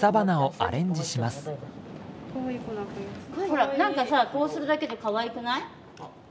ほらなんかさこうするだけでかわいくない？